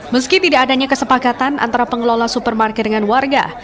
meski tidak adanya kesepakatan antara pengelola supermarket dengan warga